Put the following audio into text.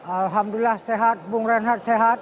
alhamdulillah sehat bung reinhard sehat